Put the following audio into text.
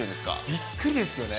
びっくりですよね。